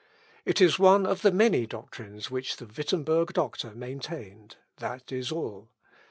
It is one of the many doctrines which the Wittemberg doctor maintained that is all.